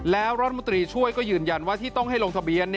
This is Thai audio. แล้วรัฐมนตรีช่วยก็ยืนยันว่าที่ต้องให้ลงทะเบียน